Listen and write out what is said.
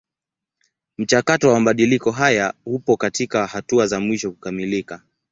Mchakato wa mabadiliko haya upo katika hatua za mwisho kukamilika.